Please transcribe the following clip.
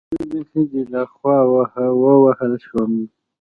زه د خځې له خوا ووهل شوم